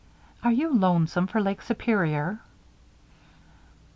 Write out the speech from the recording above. "Are you lonesome for Lake Superior?"